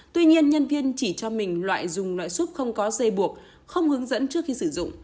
tuy nhiên nhân viên chỉ cho mình loại dùng loại súp không có dây buộc không hướng dẫn trước khi sử dụng